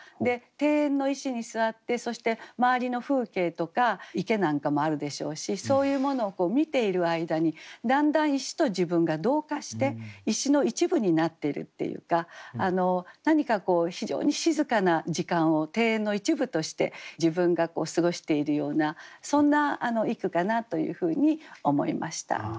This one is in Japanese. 庭園の石に座ってそして周りの風景とか池なんかもあるでしょうしそういうものを見ている間にだんだん石と自分が同化して石の一部になってるっていうか何かこう非常に静かな時間を庭園の一部として自分が過ごしているようなそんな一句かなというふうに思いました。